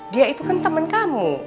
dia itu kan teman kamu